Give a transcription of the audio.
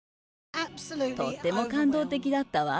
とっても感動的だったわ。